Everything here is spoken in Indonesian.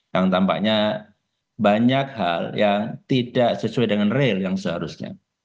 yang tampaknya banyak hal yang tidak sesuai dengan real yang seharusnya